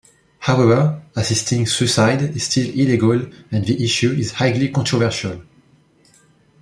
However, assisting suicide is still illegal and the issue is highly controversial.